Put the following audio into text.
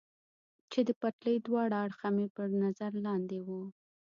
چې د پټلۍ دواړه اړخه مې تر نظر لاندې و.